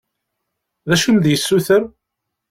D acu i am-d-yessuter?